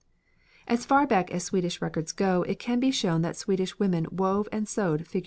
As far back as Swedish records go it can be shown that Swedish women wove and sewed figured material.